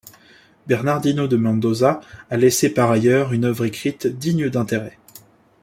Bernardino de Mendoza a laissé par ailleurs une œuvre écrite digne d'intérêt.